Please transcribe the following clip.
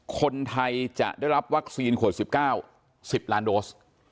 คนไทยจะได้รับวัคซีนขวด๑๙๑๐ล้านโดส